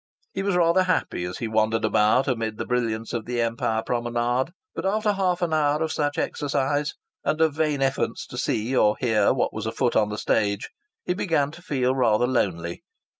He was rather happy as he wandered about amid the brilliance of the Empire Promenade. But after half an hour of such exercise and of vain efforts to see or hear what was afoot on the stage, he began to feel rather lonely.